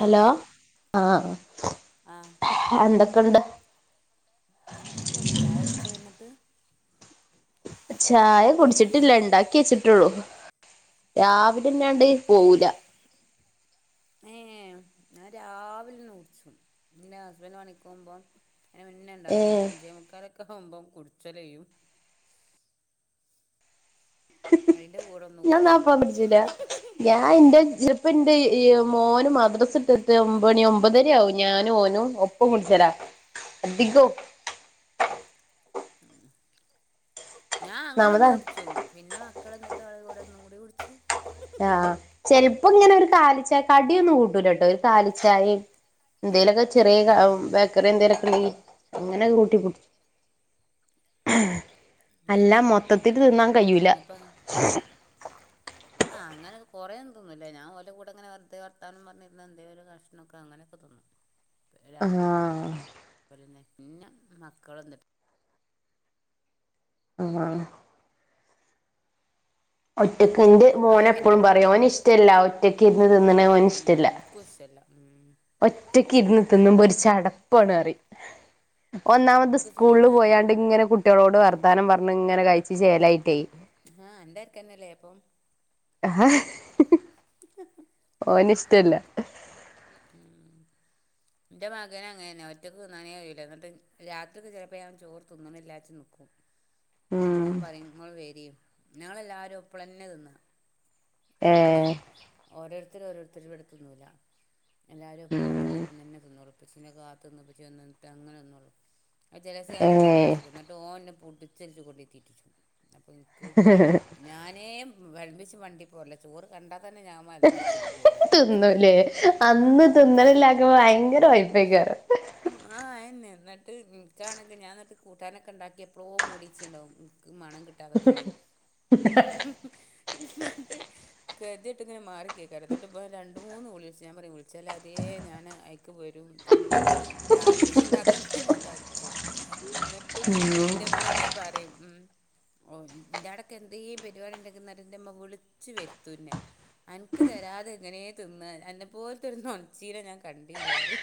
Hello, ആ ആ. എന്തൊക്കെണ്ട്? നല്ലെന്നെ ചായ കുടിച്ചോ എന്നിട്ട്? ചായ കുടിച്ചിട്ടില്ല ഇണ്ടാക്കി വെച്ചിട്ടുള്ളൂ രാവിലെ തിന്നാൻണ്ട് [inaudible] ഏഞാൻ രാവിലെ കുടിച്ചു. ന്റെ ഹസ്ബൻഡ് പണിക്കോവുമ്പം. അയിന് മുന്നെ ണ്ടാക്കും ഏഹ് അഞ്ചേ മുക്കാലൊക്കെ ആകുമ്പം കുടിച്ചലയ്യും. അയിന്റെ കൂടൊന്ന് കുടിച്ചും. ഞാനിന്റെ ജ്ജിപ്പോ ന്റെ മോനും. മദ്രസട്ടിട്ടു ഒമ്പ മണി ഒമ്പതര ആവും ഞാനു ഓനും ഒപ്പം കുടിച്ചരാ അധികോ ഞാ അങ്ങനൊന്ന് ഒന്നാമതാണ് കുടിച്ചും. പിന്നെ മക്കൾ വ ന്നിട്ട് അവരുടെ കൂടെ ഒന്നുംകൂടി കുടിച്ചും. ആചെലപ്പോ ഇങ്ങനെ ഒരു കാലിച്ചായ കടിയൊന്നും കൂട്ടൂലട്ടോ ഒരു കാലിച്ചായും എന്തേലൊക്കെ ചെറിയ ആഹ് ഏഹ് ബേക്കറി ഉം എന്തേലൊക്കെണ്ടെങ്കി അങ്ങനെ കൂട്ടി [unintelligible] അത് അല്ല ശരി മൊത്തത്തില് തിന്നാൻ കയ്യൂല. കയ്യൂല ആഹ് അങ്ങനെ കുറെയൊന്നുതിന്നുല്ല ഞൻ ഓലെ കൂടെ ങ്ങനെ വെർതെ വർത്താനം പർഞ്ഞിര്ന്ന് എന്തേലൊരു കഷ് പ്പ അങ്ങനെക്കെ തിന്നും രാവ് ആഹ് [unintelligible] പിന്നെ മക്കളൊ [unintelligible] ആഹ് ഒറ്റക്ക് ന്റെ അപ്പൊ മോനെപ്പളും അങ്ങനെ പറിം തിന്നും ഓനിഷ്ടല്ല ഒറ്റക്കിര്ന്ന് തിന്ന്ണെ ഉം ഓനിഷ്ടല്ല. [unintelligible] ഉം ഒറ്റക്കിര്ന്ന് തിന്നുമ്പോ ഒര് ചടപ്പാണറിം ഒന്നാമത് നമുക്ക് സ്കൂളില് തിന്നാൻ പോയാണ്ട് കയ്യൂല ങ്ങനെ കു ട്ട്യളോട് വർത്താനം പർഞ്ഞ്ങ്ങനെ കഴിച്ച് ചേലായിട്ടെയ് ആഹ് അന്റര്ക്കനല്ലേപ്പം ഓന് ഷ്ടല്ല. ഉം ൻ്റെ മകേ അങ്ങനേന്ന ഒറ്റയ്ക്ക് തിന്നാനേ കയൂല ന്നിട്ട് രത്രിക്ക് ചെലപ്പോ അവൻ ചോറ് തിന്നണില്ലാച്ച് നിക്കും അപ്പോ ഉം ൻ പറിം ങ്ങള് വെരി ഞങ്ങളെല്ലാരും ഒപ്പളെന്നെ തിന്നാ. ഉം ഏഹ് ഓരോര്ത്തര് ഓരോര്ത്തര് ഇവടെ തിന്നുല്ല. എല്ലാരൊപ്പം ഉം വട്ടത്തിലിര്ന്നെന്നെ തിന്നോള്ളൂ പ്പച്ചിനെ കാത്ത്ന്ന് പ്പച്ചി വന്ന്ട്ടങ്ങനെ തിന്നൊള്ളു. അയ് ചെലേസം ഞാൻ ഏഹ് തിന്നില്ലചക്കും ന്നട്ട് ഓൻ ന്നെ പുടിച്ചല്ച്ച് കൊണ്ടേയ് തീറ്റിച്ചും അപ്പ ഇൻക്ക് ഞാനേ വെൾമ്പ്യച്ച് വണ്ടി പോരല്ല ചോറ് കണ്ടാ തന്നെ ഞാ മല്ന്നടിച്ച് ബിക്ക്വയ്ല്. അല്ലോ അന്ന് തിന്നലല്ലാക്കുമ്പോ വയങ്കര വെശ്‌പ്പെക്കാരം. ആഹ് ആയെന്നെ ന്നട്ട് ഇൻക്കാണെങ്കി ഞാ ന്നട്ട് കൂട്ടാനൊക്കെ ണ്ടാക്കിഎപ്പളോ മൂട്യെച്ച്ണ്ടാകും ഇൻകും മാണം കി ട്ടാതക്കാന് ന്നട്ട് കേതീറ്റ് ഇങ്ങനെ മാറി കേക്കാണ് എന്നിട്ട് ഇപ്പ രണ്ട മൂന്ന് വിളിച്ച് ഞാൻ പറയും വിളിച്ചാല് അതേ ഞാന് ക്ക് വെരും തിന്നും. രാത്രി തിന്നാത്തെന്നെ ഞാൻ തടിച്ചും ന്നട്ട് തിന്നും ഇന്റെമ്മെന്നെ പറിം ഉം ഓഹ് ഇൻ്റാടെക്കെ എന്തേം പരിവാടിണ്ടാങ്കി ന്നട്ട് ന്റെമ്മ വിളിച്ച് വെര്ത്തുന്നെ അൻക്ക് തരാതെ എങ്ങനെ തിന്നാ അൻ്റെ പോൽത്തൊരു നൊൺച്ചീനെ ഞാൻ കണ്ടീല്ലാ റിം.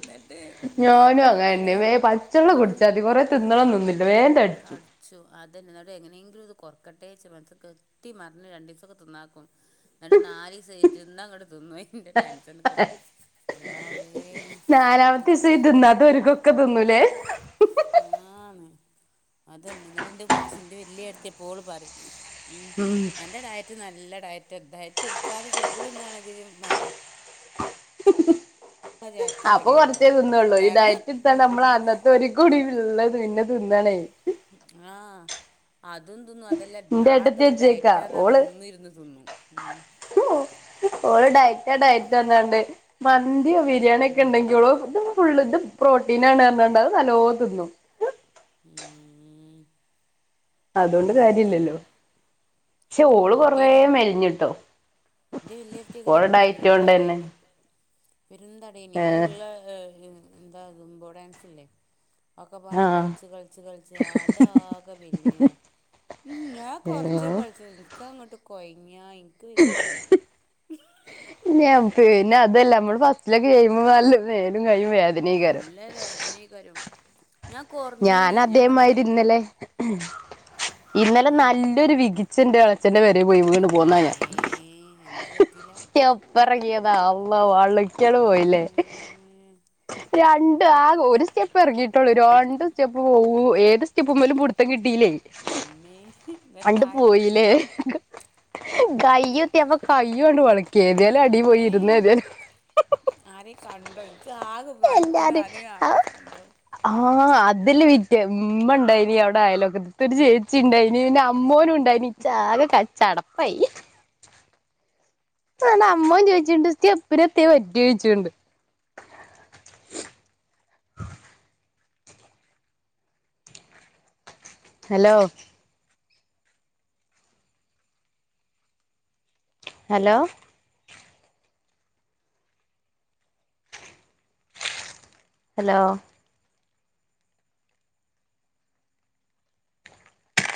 ന്നട്ട് ഇൻ്റെ ഞാനും അങ്ങനെന്നെ അളിയൻ വേ പച്ചവെള്ളം ആഹ് കുടിച്ചാതി കൊറേ തിന്നണന്നൊന്നുല്ല വേം തടിച്ചും തട് ച്ചു അതെന്നെ ന്നട്ട് എങ്ങനെങ്കിലും ഇത് കൊർക്കട്ടെ ച്ച് മെൻസം കെട്ടി മർഞ്ഞ് രണ്ടീസൊക്കെ തിന്നാക്കും. ന്നട്ട് നാലിസം ഇര്ന്നങ്ങട് തിന്നും അയ്ന്റെ ടെൻഷനൊക്കെപ്പാ അല്ലാഹുവേ നാലാമത്തിസം ഇ തിന്നത്ത ഓരികൊക്കെ തിന്നുലേ. ആന്ന് അതെന്നെ ന്നട്ട് ൻ്റെ കൊച്ച് ൻ്റെ വല്യേട്ടത്തെ എപ്പോളും പറിം ഉം അന്റെ ഡയറ്റ് നല്ല ഡയറ്റ് ഡയറ്റ് ട്ക്കാതെ ചൊങ്ക്ന്ന്നാണെങ്കിലും മട്ടം ചാറ്റി അപ്പൊ തടിയാണ് കൊർച്ചേ പറയും തിന്നൊള്ളൂ ഈ കാരണം ഡയറ്റ്ട്ത്താണ്ട് അമ്മളന്നത്തൊരികൂടി ഇള്ളെ പിന്നെ തിന്നാണെയ് ഉം ആഹ് അതും തിന്നും അതല്ല എന്റെ ഏട്ടത്തി നാളെത്തൊട്ട് വെച്ചേക്കാ ഡയറ്റാന്നർഞ്ഞ ഓള് ഇന്ന്ര്ന്ന് തിന്നും. ഉം ഓള് ഡയറ്റാ ഡയറ്റാർഞ്ഞാണ്ട് മന്ത്യോ ബിരിയാണിക്കെണ്ടെങ്കില് ഓള് ഇത് ഫുള് ഇത് പ്രോട്ടീനാണർഞ്ഞാണ്ട് അത് നല്ലോം തിന്നും. ഉം ഉം അതോണ്ട് അങ്ങനെ തന്നെ കാര്യല്ലല്ലൊ ക്ഷെ ഓള് കൊറേ മെൽഞ്ഞ്ട്ടൊ ൻ്റെ വല്യേടത്ത്യങ്ങനേനി പെരും തട്യേ തന്നെ നി പെരും തടെയ്നി ഏഹ് അത്ള്ളെ ഓ എന്താ ജുമ്പ ഡാൻസില്ലെ അഒക്കപ്പാട ആഹ് കൾച് കൾച് കൾച് ആതാകെ മെൽഞ്ഞ്ണ്. ഉം ഞാ കൊർച്ചേ ഏഹ് കളിച്ചത് ഇൻക്കങ്ങട്ട് കൊയ്ങ്ങ്യാ ഇൻക്ക് വെയ്ക്കൂല. [unintelligible] നെമ്പല്ലെ അമ്മള് ഫസ്റ്റിലൊക്കെ ചെയ്യുമ്പൊ നല്ല മേലും കയ്യും വേദനയ്കാരം അയ്‌നെകാരം ഞാനതേമായിരിന്നലെ ഇന്നലെ ഉം നല്ലൊരു വികിച്ചൻ്റെളച്ചന്റെ പെരേപോയി വീണ് പോന്നാ ഞാൻ ഹ് ത്തീലാ പ്പറങ്ങ്യാതാ അള്ളാ വള്ക്യാണ് പോയിലെ ഇമ്മേ ഹ് രണ്ട് ആക ഒരു സ്റ്റെപ്പ് ഇറങ്ങിയിട്ടുള്ളൂ രണ്ട് ഏത് സ്റ്റെപ്പ് പോവു ഏത് സ്റ്റെപ്പ്മ്മലു പുടുത്തം കിട്ടീല്ലേ മ്മേ ഹി ന്നട്ട് തായ്ത്തെത്യോ കയ്യെത്തിയപ്പോ കൈ കൊണ്ട് വളക്കി ഏതായാലും അടി പോയി അമ്മേ ഇരുന്ന് ഏതായാലും ആരേ കണ്ടോ ഇനക്ക ആകെ മാനക്കേട എല്ലാരും ആരേ ആരേ ആ കണ്ടോന്ന് ആഹ് അത് ഇതല്ലവിറ്റ് ഉമ്മണ്ടായിനി അവിടെ അയ്ലോക്കത്തൊരു ചേച്ചിണ്ടായിനി പിന്നെ അമ്മോനും ഉണ്ടായ്നി ഇച്ചാകെ ക ചടപ്പായി ഇഹ് ന്നാണ്ടമ്മോൻ ചോയ്ച്ണ്ട് സ്റ്റെപ്പ്നെത്തെ പറ്റ്യയ്ച്ച്ണ്ട് [unintelligible] ഹലോ ഹലോ ഹലോ